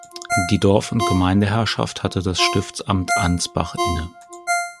Die Dorf- und Gemeindeherrschaft hatte das Stiftsamt Ansbach inne.